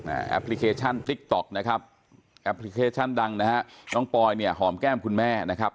แอปพลิเคชันติ๊กต๊อกนะครับแอปพลิเคชันดังนะฮะน้องปอยเนี่ยหอมแก้มคุณแม่นะครับ